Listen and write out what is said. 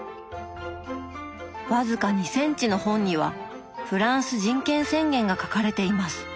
僅か２センチの本には「フランス人権宣言」が書かれています。